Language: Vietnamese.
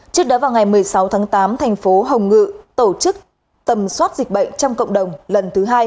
trước đó vào ngày một mươi sáu tháng tám tp hcm tổ chức tầm soát dịch bệnh trong cộng đồng lần thứ hai